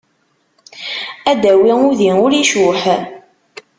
Ad d-tawi udi ur icuḥ.